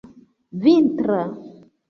vintra